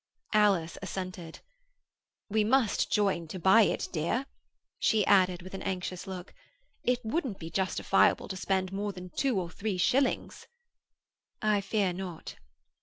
Alice assented. "We must join to buy it, dear," she added, with anxious look. "It wouldn't be justifiable to spend more than two or three shillings." "I fear not."